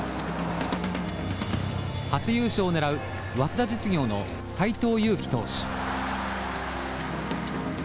初優勝を狙う早稲田実業の斎藤佑樹投手。